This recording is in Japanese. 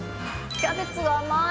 キャベツが甘い。